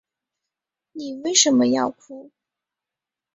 妳为什么要哭